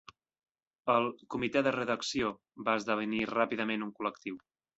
El "comitè de redacció" va esdevenir ràpidament un col·lectiu.